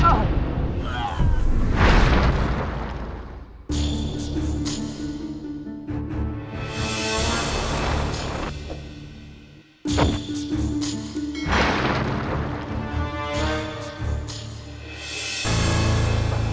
stand zrobes gari ini